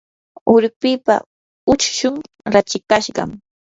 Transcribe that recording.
urpipa ukshun rachikashqam.